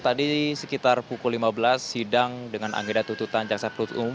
tadi sekitar pukul lima belas sidang dengan anggota tututan jaksa perut umum